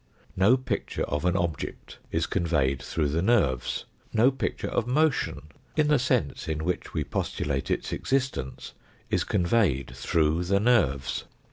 No picture of an object is conveyed through the nerves. No picture of motion, in the sense in which we postulate its existence, is conveyed through the nerves.